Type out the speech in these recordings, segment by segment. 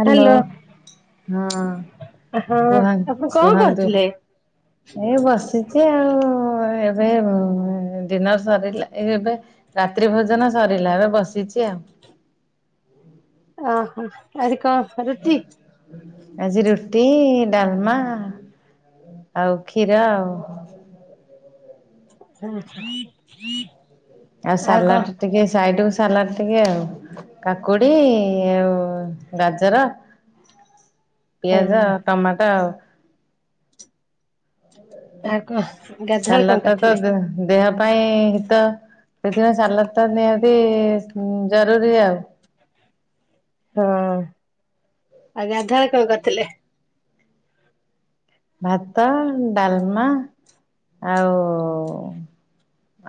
Hello ହଁ ହଁ କୁହନ୍ ଆପଣ କଣ କୁହନ୍ତୁ। କରୁଥିଲେ? ଏଇ ବସିଛି ଆଉ। ଏବେ ଡିିନର୍ ସରିଲା ଏ ଏବେ ରାତ୍ରି ଭୋଜନ ସରିଲା ଏବେ ବସିଚି ଆଉ। ଅ ହଁ ଆଜି କଣ ରୁଟି? ଆଜି ରୁଟି ଡାଲମା ଆଉ କ୍ଷୀର ଆଉ। [unintelligible] ଆଉ ସାଲାଟ୍ ଟିକେ ଆଇଟିକୁ ସାଲାଟ୍ ଟିକେ ଆଉ କାକୁଡି ଆଉ ଗାଜର। [inaudible] ପିଆଜ ଟମାଟ ଆଉ। ସାଲାଡ ଟା ତ [unintelligible] ଦେହ ପାଇଁ ହିତ ସେଥିପାଇଁ ସାଲାଟ୍ ତା ନିହାତି ଜରୁରୀ ଆଉ। ହଁ ଆଉ [unintelligible] କଣ କରିଥିଲେ? ଭାତ ଡାଲମା ଆଉ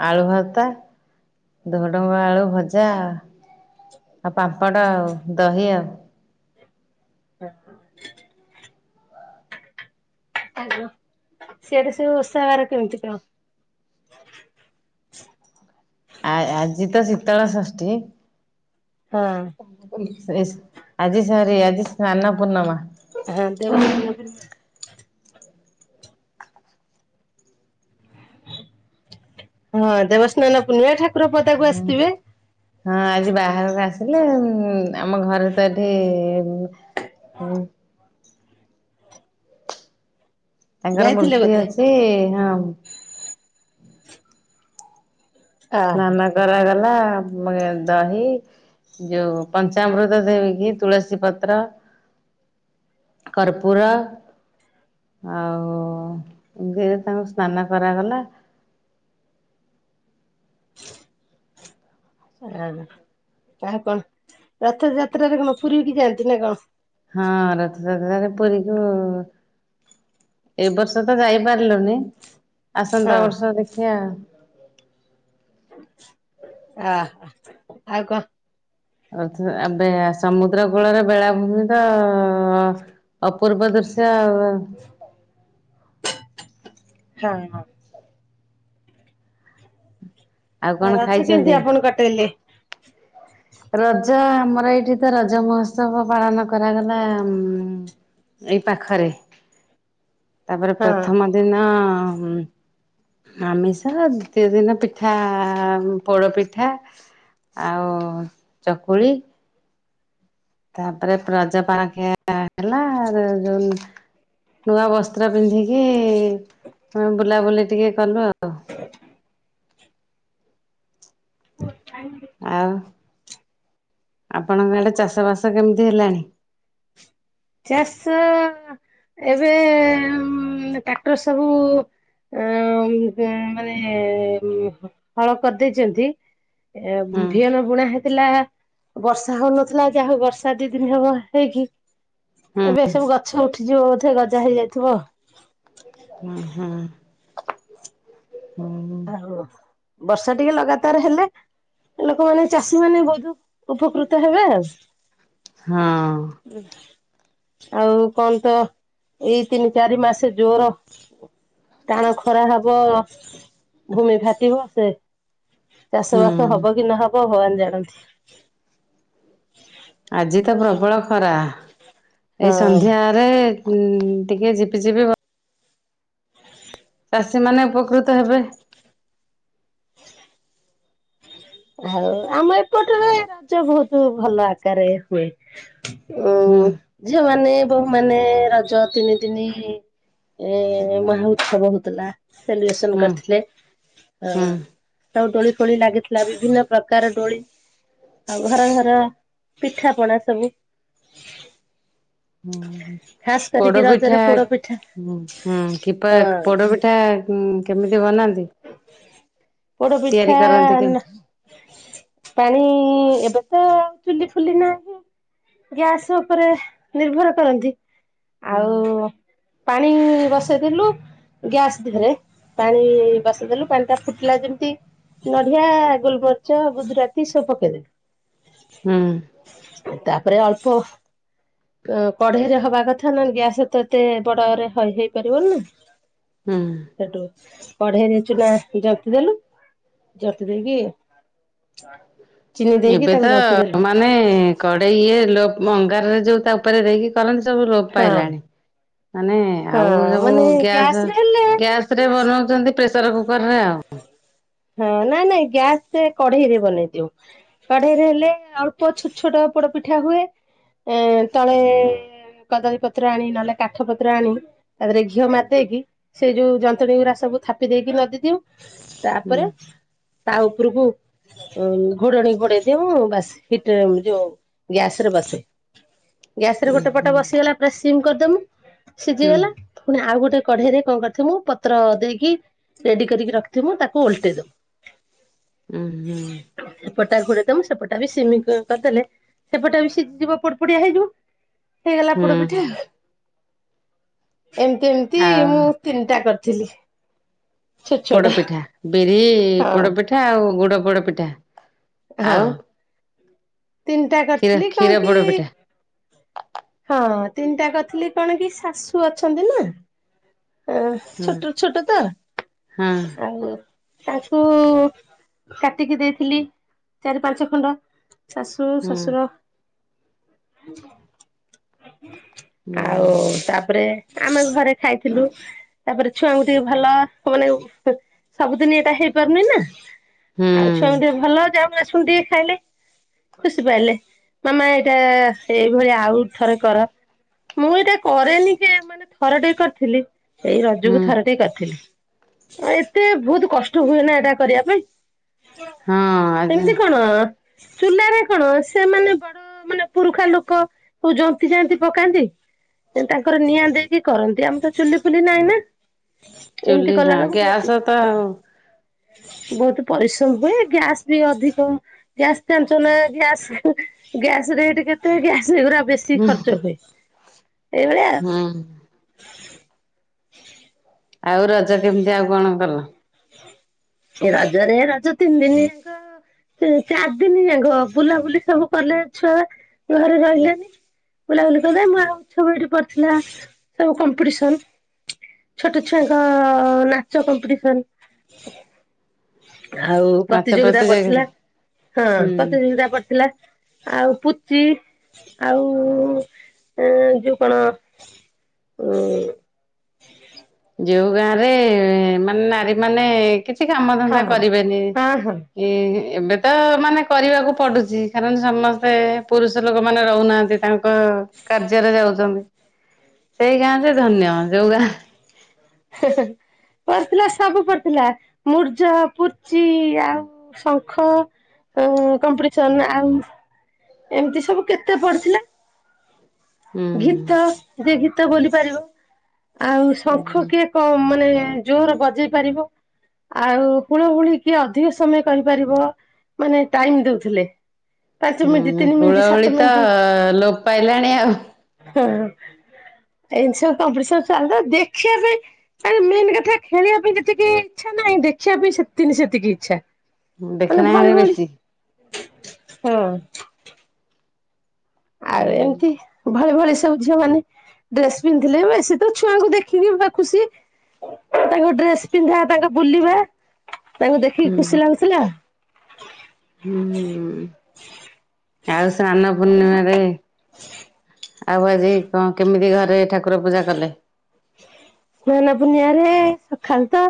ଆଳୁ ଭତ୍ତା ଧୋଡଙ୍ଗ ଆଳୁ ଭଜା। ଆଉ ପାମ୍ପଡ ଆଉ ଦହି ଆଉ। [unintelligible] [unintelligible] ସିଏବି ସେଇ ଓଷାବାର କେମିତି କଣ? ଆ ଆଜି ତ ଶୀତଳ ଷଷ୍ଠୀ। ହଁ। ଏସ ଆଜି ସରି ଆଜି ସ୍ନାନ ପୂର୍ଣ୍ଣିମା। ହଁ ଦେବ ସ୍ନାନ ପୂର୍ଣ୍ଣିମା। ହଁ ଦେବସ୍ନାନ ପୂର୍ଣ୍ଣିମା ଠାକୁର ପଦାକୁ ଆସିଥିବେ? ହଁ ଆଜି ବାହାରକୁ ଆସିଲେ ଆମ ଘରେ ତ ଏଠି ତାଙ୍କର ଯାଇଥିଲେ ମୂର୍ତ୍ତି ବୋଧେ? ଅଛି ହଁ। ଓହୋ ସ୍ନାନ କରାଗଲା ଦହି ଯୋଉ ପଞ୍ଚାମୃତ ଦେଇକିି ତୁଳସୀ ପତ୍ର କର୍ପୁର। ଆଉ ଘିଅରେ ତାଙ୍କୁ ସ୍ନାନ କରାଗଲା। [inaudible] ଆଉ ଆଉ କଣ ରଥଯାତ୍ରାରେ କଣ ପୁରୀ କିି ଯାଆନ୍ତି ନା କଣ? ହଁ ରଥଯାତ୍ରା ରେ ପୁରୀକୁ ଏ ବର୍ଷ ତ ଯାଇପାରିଲୁନି ଆସନ୍ତା ହଁ। ବର୍ଷ ଦେଖିବା ଆଉ। ଆ ଆଉ କଣ? ଆ ଏବେ ସମୁଦ୍ର କୂଳରେ ବେଳାଭୂମି ତ ଅପୂର୍ବ ଦୃଶ୍ୟ ଆଉ। ହଁ ହଁ। ଆଉ କଣ ରଜ ଖାଇଛନ୍ତି? କେମିତି ଆପଣ କଟେଇଲେ? ରଜ ଆମର ଏଇଠି ତ ରଜ ମହୋତ୍ସବ ପାଳନ କରାଗଲା ଉ ଏଇ ପାଖରେ ତାପରେ ହଁ। ପ୍ରଥମ ଦିନ ଆମିଷ ଦ୍ୱତୀୟ ଦିନ ପିଠା ପୋଡ଼ପିଠା ଆଉ ଚକୁଳି। ତାପରେ ପ୍ରଜ ପାଣଖିଆ ହେଲା ଆ ଯୋଉ ନୂଆ ବସ୍ତ୍ର ପିନ୍ଧିକି ମ ବୁଲାବୁଲି ଟିକେ କଲୁ ଆଉ। ଆଛା [inaudible] ହ [unintelligible] ଆଉ ଆପଣଙ୍କ ଇଆଡ଼େ ଚାଷବାସ କେମିତି ହେଲାଣି? ଚାଷ ଏବେ ଟ୍ରାକ୍ଟର ସବୁ ଅ ମାନେ ହଳ କରିଦେଇଛନ୍ତି। ଏ ହୁଁ ଧିଅ ନ ଲୁଣା ହେଇଥିଲା ବର୍ଷା ହଉନଥିଲା ଯାହା ହଉ ବର୍ଷା ଦି ଦିନ ହବ ହେଇକି ହୁଁ ଏବେ ସବୁ ଗଛ ଉଠିଯିବ ବୋଧେ ଗଜା ହେଇଯାଇଥିବ। ହୁଁ ହୁଁ। ହୁଁ ବର୍ଷା ଟିକେ ଲଗାତାର ହେଲେ ଲୋକମାନେ ଚାଷୀ ମାନେ ବହୁତ ଉପକୃତ ହେବେ ଆଉ। ହଁ। ଆଉ କଣ ତ ଏଇ ତିନି ଚାରି ମାସେ ଜୋର ଟାଣ ଖରା ହବ। ଭୂମି ଫାଟିବ ସେ ଚାଷ ହୁଁ ବାସ ହବ କି ନହବ ଭଗବାନ ଜାଣନ୍ତି। ଆଜି ତ ପ୍ରବଳ ଖରା ଏଇ ହଁ ସନ୍ଧ୍ୟା ରେ ହୁଁ ଟିକେ ଜିପି ଯିପି ବ ଚାଷୀ ମାନେ ଉପକୃତ ହେବେ। ଆଉ ଆମ ଏପଟରେ ରଜ ବହୁତ ଭଲ ଆକାରରେ ହୁଏ। ଉ ହୁଁ। ଝିଅମାନେ ବୋହୂ ମାନ ରଜ ତିନି ଦିନି ଏ ମମି [unintelligible] ସେଲିବ୍ରେସନ ହୁଁ କରିଥିଲେ ଅ ହୁଁ ସଉ ଦୋଳି ଫୋଳି ଲାଗି ବିଭିନ୍ନ ପ୍ରକାର ଦୋଳି ଆଉ ଘର ଘର ପିଠାପଣା ସବୁ ହୁଁ ହୁଁ ଖାସ କରିକି ପୋଡ଼ ରଜରେ ପିଠା ପୋଡ ପିଠା ହୁଁ ହୁଁ କିପା ହଁ ପୋଡପି ତ କେମିତି ବନାନ୍ତି! ପୋଡ଼ ତିଆରି ପିଠା କରନ୍ତି କି ନ ହୁଁ ପାଣି ଏବେ ତ ଚୁଲି ଫୁଲି ନାହିଁ ଯେ ଗ୍ୟାସ ଉପରେ ନିର୍ଭର କରନ୍ତି। ଆଉ ପାଣି ବସେଇଥିଲୁ ଗ୍ୟାସ୍ ଦିହରେ ପାଣି ବସେଇ ଦେଲୁ ପାଣି ଟା ଫୁଟିଲା ଯେମତି ନଢ଼ିଆ ଆ ଗୋଲମରିଚ ଗୁଦୁରାତି ସବୁ ପକେଇଦେବେ। ହୁଁ। ତାପରେ ଅଳପ କଢ଼େଇରେ ହବା କଥା ନହେଲେ ଗ୍ୟାସ ରେ ତ ଏତେ ବଡ଼ ରେ ହେଇ ପାରିବନି ନା? ହୁଁ। ସେଟୁ କଢେ଼ଇ ରେ ଚୁନା ଜନ୍ତି ଦେଲୁ ଜନ୍ତି ଦେଇକି ଚିନି ଦେଇକି ଏବେ ତ ତାକୁ ଜନ୍ତି ଦେଲୁ। ମାନେ କଡ଼େଇ ଇଏ ଲୋପ ଅଙ୍ଗାରରେ ଯୋଉ ତା ଉପରେ ଦେଇକି କରନ୍ତି ସବୁ ଲୋପ୍ ହଁ ପାଇଲାଣି ମାନେ ହଁ ଆଉ ସବୁ ମାନେ ଗ୍ୟାସ ରେ ହେଲେ ଗ୍ୟାସ୍ ରେ ବନାଉଛନ୍ତି ପ୍ରେସର କୁକର୍ ରେ ଆଉ ହଁ ନାଇଁ ନାଇଁ ଗ୍ୟାସ ସେ କଢ଼େଇ ରେ ବନେଇ ଦିଉ। କଢେ଼ଇରେ ହେଲେ ଅଳ୍ପ ଛୋଟ ଛୋଟ ପୋଡ଼ ପିଠା ହୁଏ ଏ ତଳେ କଦଳୀପତ୍ର ଆଣିକି ନହେଲେ କାଠ ପତ୍ର ଆଣିବେ ତାପରେ ଘିଅ ମାରିଦେଇକି ସେଇ ଯୋଉ ଯନ୍ତଣୀ ଗୁୁରା ସବୁ ଥାପି ଦେଇକି ନଦୀ ଦିଉ ତା ହୁଁ ଉପରେ ତା ଉପୁରୁକୁ ଘୋଡ଼ଣି ଘୋଡ଼େଇ ବାସ ହିଟ ଯୋଉ ଗ୍ୟାସ ରେ ବାସେ ଗ୍ୟାସ ରେ ହୁଁ ଗୋଟେ ପଟ ହୁଁ ବସିଗଲା ପୁରା ସିମ୍ କରିଦମୁ ହୁଁ ସିଝିଗଲା ପୁଣି ଆଉ ଗୋଟେ କଢେଇରେ କଣ କରିଥିବୁ ପତ୍ର ଦେଇକି ରେଡି କରିକି ରଖି ମୁ ତାକୁ ଓଲଟାଇଦେବୁ ହୁଁ ହୁଁ [unintelligible] ସେପଟା ଘୋରେଦବ ସେପଟା ବି ସିମି କରିଦେଲେ ସେପଟେ ବି ସିଝି ଯିବ ପୋଡ ପଡିଆ ହେଇଯିବ ହେଇଗଲା ହୁଁ ପୋଡପିଠି ଏମିତି ଏମିତି ଆଉ ମୁଁ ତିନିଟା କରିଥିଲି ଛୋଟ ଛୋଟ ପୋଡପିଠା ବିରି ହଁ ପୋଡପିଠା ଆଉ ଗୁଡ ପୋଡପିଠା ଆଉ ହଁ ତିନିଟା କ୍ଷୀର କରିଥିଲି କ୍ଷୀର କଣ କି ପୋଡପିଠା ହଁ ତିନ୍ଟା କରିଥିଲି କଣ କି ଶାଶୁ ଅଛନ୍ତି ନା ଏ ହୁଁ ଛୋଟ ଛୋଟ ତ ହଁ ଆଉ ତାଙ୍କୁ କାଟିକି ଦେଇଥିଲି ଚାରି ପାଞ୍ଚ ଖଣ୍ଡ ଶାଶୁ ହୁଁ ଶଶୁର ହୁଁ ଆଉ ତାପରେ ଆମେ ଘରେ ଖାଇଥିଲୁ ତାପରେ ଛୁଆଙ୍କୁ ଟିକେ ଭଲ ମାନେ ସବୁଦିନ୍ ଏଇଟା ହେଇପାରୁନି ନା ହୁଁ ଆଉ ଛୁଆ ଟିକେ ଭଲ ଯାସୁଣୁ ଟିକେ ଖାଇଲେ ଖୁସି ପାଇିଲେ ମାମା ଏଇଟା ଏଇଭଳି ଆଉ ଥରେ କର ମୁଁ ଏଇଟା କରେନି ଯେ ମାନେ ଥର ଟେ କରିଥିଲି ଏଇ ହୁଁ ରଜକୁ ଥରେ ଟିକେ କରିଥିଲି ଏତେ ବହୁତ କଷ୍ଟ ହୁଏ ନା ଏଇଟା କରିବା ପାଇଁ ହଁ ଆଜ୍ ହଁ ଚୁଲାରେ କ କଣ ସେମାନେ ବଡ ମାନେ ପୁରୁଖା ଲୋକ କୋଉ ଜନ୍ତୁ ଜାନ୍ତି ପକାନ୍ତି ତାଙ୍କର ନିଆଁ ଦେଇକି କରନ୍ତି ଆମ ତ ଚୁଲି ଫୁଲି ନଇ ନା ଏମିତି ଚୁଲି ହଁ କଲା ବେଳକୁ ଗ୍ୟାସ ତ ବ ଆଉ ବହୁତ ପରିଶ୍ରମ ହୁଏ ଗ୍ୟାଶ୍ ବି ଅଧିକ ଗ୍ୟାଶ୍ ଜଞ୍ଚୁ ନା ଗ୍ୟାସ୍ ଗ୍ୟାଶ୍ ରେଟ୍ କେତେ ଗ୍ୟାସ୍ ଏଗଡା ବେଶୀ ବେଶୀ ହୁଁ ଖର୍ଚ୍ଚ ହୁଏ ଏଇଭଳିଆ ହୁଁ ଆଉ ରଜ କେମିତି ଆଉ କଣ କଲ ଏ ରଜରେ ରଜା ତନିଦିନ୍ ଯାକ ସେ ଚାରି ଦିନ୍ ଯାକ ବୁଲାବୁଲି ସବୁ କଲେ ଛୁଆ ଘରେ ରହିଲେନି ବୁଲାବୁଲି କଲେ ମହାଉତ୍ସବ ଏଇଠି ପଢଥିଲା ସବୁ କମ୍ପିଟିସନ ଛୋଟ ଛୁଆଙ୍କ ନାଚ କମ୍ପିଟିସନ ଆଉ ପ୍ରତିଯୋଗିତା ପଡ଼ିଥିଲା ହଁ ହୁଁ ପ୍ରତିଯୋଗିତା ପଡ଼ି ଥିଲା ଆଉ ପୁଚି ଆଉ ଯୋଉ କଣ ହୁଁ ଯୋଉ ଗାଁ ରେ ମାନେ ନାରୀ ମାନେ କିଛି କାମ ଧନ୍ଦା କରିବେନି ହଁ ହଁ ଏ ଏବେ ତ ମାନେ କରିବାକୁ ପଡୁଛି କାରଣ ସମସ୍ତେ ପୁରୁଷ ଲୋକ ମାନେ ରହୁନାହାନ୍ତି ତାଙ୍କ ତାଙ୍କ କାର୍ଯ୍ୟରେ ଯାଉଛନ୍ତି ସେଇ ଗାଁ ଯେ ଧନ୍ୟ ଯୋଉ ଗାଁ ହେଁ ହେଁ ପଡ଼ିଥିଲା ସବୁ ପଡ଼ିଥିଲା ମୂର୍ଜ ପୁଚି ଆଉ ଶଙ୍ଖ ଆଉ କମ୍ପିଟିସନ ଆଉ ଏମିତି ସବୁ କେତେ ପଡ଼ିଥିଲା ଘିତ ଯେ ଘିତା ବୋଲି ପାରିବ ଆଉ ଶଙ୍ଖ ହୁଁ କିଏ କ ମାନେ ଜୋରେ ବଜେଇ ପାରିବ ଆଉ ହୁଳୁ ହୁଳି କିଏ ଅଧିକ ସମୟ କହିପାରିବ। ମାନେ ଟାଇମ ଦଉଥିଲେ। ପାଞ୍ଚ ମିନିଟ ହୁଁ ତିନି ମିନିଟ ହୁଳହୁଳି ସାତ ତ ମିନିଟ ଲୋପ ପାଇଲାଣି ଆଉ। ହଁ ଏମିତି ସବୁ କମ୍ପିଟିସନ୍ ଚାଲେ ଦେଖିବା ପାଇଁ ଆ ମେନ୍ କଥା ଖେଳିବା ପାଇଁ ଯେତିକି ଇଛା ନାହିଁ ଦେଖିବା ପାଇଁ ସେତିି ସେତିକି ଇଚ୍ଛା। ମାନେ ଦେଖିଣାରେ ଭଳି ଭଳି ବେଶୀ। ହଁ। ହୁଁ ଆଉ ଏମିତି ଭଳି ଭଳି ସବୁ ଝିଅ ମାନ ଡ୍ରେସ୍ ପିନ୍ଧଥିଲେ ବେଶୀତ ଛୁଆଙ୍କୁ ଦେଖିକି ପୁରାଖସି ତାଙ୍କ ଡ୍ରେସ ପିନ୍ଧା ତାଙ୍କ ବୁଲିବା ତାଙ୍କୁ ଦେଖିକି ହୁଁ ଖୁସି ଲାଗୁଥିଲା। ହୁଁ ଆଉ ସ୍ନାନ ପୂର୍ଣ୍ଣିମାରେ ଆଉ ଆଜି କଣ କେମିତି ଘରେ ଠାକୁର ପୂଜା କଲେ? ସ୍ନାନ ପୂର୍ଣ୍ଣିମାରେ ସକାଳେ ତ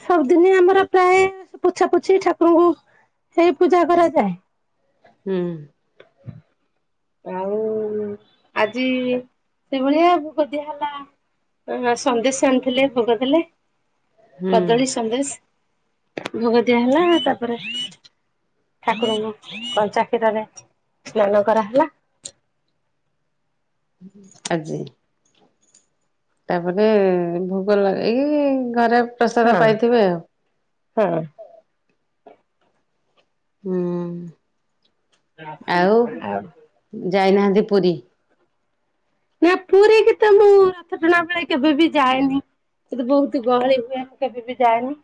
ସବୁଦିନି ଆମର ପ୍ରାୟ ପୋଛା ପୋଛି ଠାକୁରଙ୍କୁ ହେଇ ପୂଜା କରାଯାଏ। ହୁଁ। ଆଉ ଆଜି ସେଭଳିଆ ଭୋଗ ଦିଆ ହେଲା। ଅ ସନ୍ଦେଶ ଆଣିଥିଲେ ଭୋଗ ଦେଲେ ହୁଁ କଦଳୀ, ସନ୍ଦେଶ। ଭୋଗ ଦିଆ ହେଲା ତାପରେ ଠାକୁରଙ୍କୁ କଞ୍ଚା କ୍ଷୀରରେ ସ୍ନାନ କରାହେଲା। ଆଜି। ତାପରେ ଭୋଇ ଲଗେଇକି ଘରେ ପ୍ରସାଦ ହଁ ପାଇଥିବେ ଆଉ। ହଁ। ହୁଁ। ଆଉ [unintelligible] ଯାଇନାହାନ୍ତି ପୁରୀ? ନା ପୁରୀକିତ ମୁଁ ରଥ ଟଣା ବେଳେ କେବେ ବି ଯାଏନି। ଏତେ ବହୁତ ଗହଳି ହୁଏ। ମୁଁ କେବେ ବି ଯାଏନି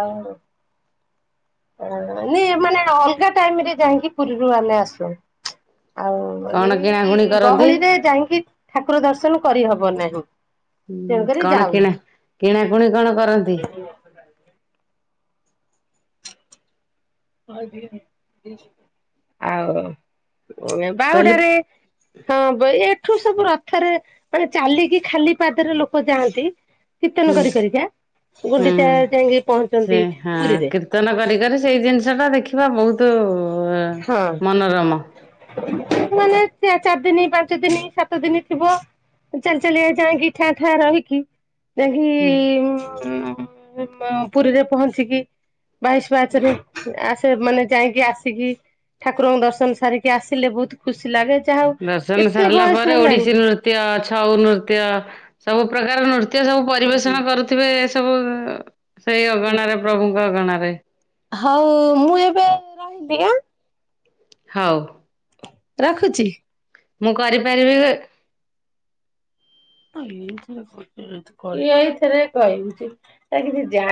ଆଉ।। ନାଇ ମାନେ ଅଲଗା ଟାଇମରେ ଯାଇକି ପୁରୀରୁ ଆମେ ଆସୁ। ଆଉ କଣ କିଣାକୁଣି ଏଇ କରନ୍ତି? ଗହଳିରେ ଯାଇକି ଠାକୁର ଦର୍ଶନ କରିହବ ନାହିଁ। ହୁଁ ତେଣୁକରି କଁ ଯାଉନୁ। କିଣା କିଣା କିଣାକୁଣି କଣ କରନ୍ତି? ଆଉ କହିଲି? ବାହୁଡ଼ାରେ ହଁ ବାଇ ଏଠୁ ସବୁ ରଥରେ ମାନେ ଚାଲିକି ଖାଲି ପାଦରେ ଲୋକ ଯାଆନ୍ତି। କୀର୍ତ୍ତନ ହୁଁ କରିକରିକା ଗୁଣ୍ଡିଚା ହୁଁ। ଯାଇକି ସେ ପହଞ୍ଚନ୍ତି ହଁ ପୁରୀରେ। କୀର୍ତ୍ତନ କରି କରି ସେଇ ଜିନିଷଟା ଦେଖିବା ବହୁତ ହଁ। ମନରମ। ମାନେ ଚାରି ଦିନ, ପାଞ୍ଚ ଦିନ, ସାତ ଦିନ ଥିବ ଚାଲି ଚାଲିବା ଯାଇକି ଠାଁ ଠାଁ ରହିକି ଯାଇକି ହୁଁ ଉମ୍ ଅ ବ ପୁରୀରେ ପହଞ୍ଚିକି ବାଇଶି ପାହାଚରେ ଆସେ ମାନେ ଯାଇକି ଆସିକି ଠାକୁରଙ୍କୁ ଦର୍ଶନ ସାରିକି ଆସିଲେ ବହୁତ ଖୁସି ଲାଗେ ଯାହା ହଉ ଦର୍ଶନ ଏତେ ସାରିଲା ପରେ ବୟସ ଓଡିଶୀ ହେଲାଣି ନୃତ୍ୟ ଛଉ ନୃତ୍ୟ ସବୁ ପ୍ରକାର ନୃତ୍ୟ ସବୁ ପରିବେଷଣ କରୁ ଥିବେ ଏ ସବୁ ସେଇ ଅଗଣାରେ ପ୍ରଭୁଙ୍କ ଅଗଣାରେ। ହଉ ମୁଁ ଏବେ ରହିଲି ଆ? ହଉ। ରଖୁଚି। ମୁଁ କରିପାରିବି ଏବେ ଏଇଥିରେ କହିବି କି କାହିଁକି ମୁଁ ଜା